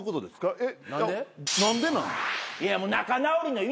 えっ！？